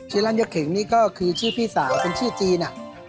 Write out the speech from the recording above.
ร้านยกเข็งนี่ก็คือชื่อพี่สาวเป็นชื่อจีน